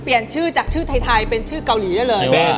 เปลี่ยนชื่อจากชื่อไทยเป็นชื่อเกาหลีได้เลย